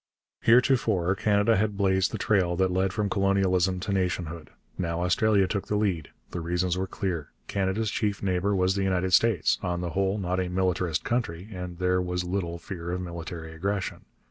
Heretofore Canada had blazed the trail that led from colonialism to nationhood. Now Australia took the lead. The reasons were clear. Canada's chief neighbour was the United States on the whole, not a militarist country and there was little fear of military aggression.